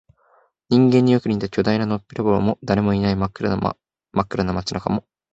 人間によく似た巨大なのっぺらぼうも、誰もいない真っ暗な街中も、